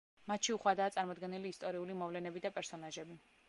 მათში უხვადაა წარმოდგენილი ისტორიული მოვლენები და პერსონაჟები.